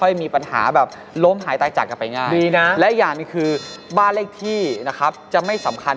ไม่ดีปั๊บเนี่ยจะส่งผลหนักกว่าบ้านลิขที่แน่นอน